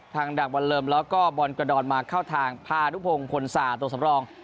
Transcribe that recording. พังดับวันเริ่มแล้วก็บ่อนกระดอนมาเข้าทางผ่านุกพงศ์ผลส่าตรวจสำรอง